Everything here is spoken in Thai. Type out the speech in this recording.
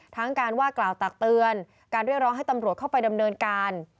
ทั้งการว่ากล่าวตักเตือนการเรียกร้องให้ตำรวจเข้าไปดำเนินการ